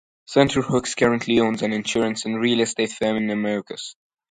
Senator Hooks currently owns an insurance and real estate firm in Americus.